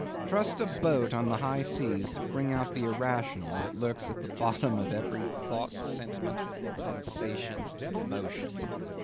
Trust a boat on the high seas to bring out the Irrational that lurks at the bottom of every thought, sentiment, sensation, emotion.